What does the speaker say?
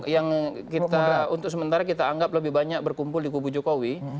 yang kita untuk sementara kita anggap lebih banyak berkumpul di kubu jokowi